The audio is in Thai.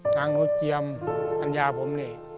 ทางโนเจียมอัญญาผมเนี่ย